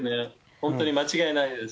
本当に間違いないです。